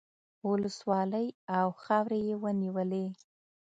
ولسوالۍ او خاورې یې ونیولې.